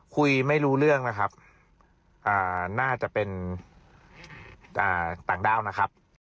คุยไม่รู้เรื่องนะครับน่าจะเป็นต่างด้าวนะครับ